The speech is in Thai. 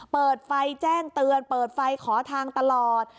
เปิดไฟแจ้งเตือนเปิดไฟขอทางตลอด